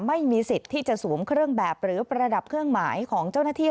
ไม่มีสิทธิ์ที่จะสวมเครื่องแบบหรือประดับเครื่องหมายของเจ้าหน้าที่